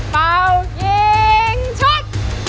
เป่ายิงชุด